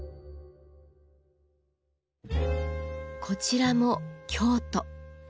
こちらも京都。